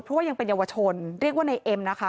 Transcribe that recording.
เพราะว่ายังเป็นเยาวชนเรียกว่าในเอ็มนะคะ